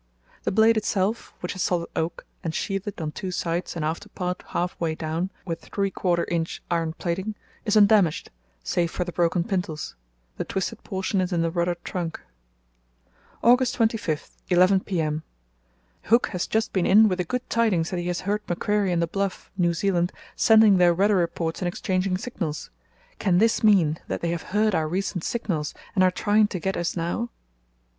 The blade itself (which is solid oak and sheathed on two sides and after part half way down, with three quarter inch iron plating) is undamaged, save for the broken pintles; the twisted portion is in the rudder trunk. "August 25, 11 p.m.—Hooke has just been in with the good tidings that he has heard Macquarie and the Bluff (New Zealand) sending their weather reports and exchanging signals. Can this mean that they have heard our recent signals and are trying to get us now?